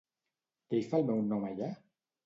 Què hi fa el meu nom allà?